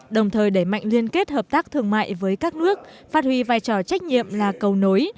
đồng thời đẩy mạnh liên kết hợp tác thương mại với các nước phát huy vai trò trách nhiệm là cầu nối